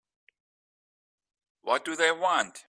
What do they want?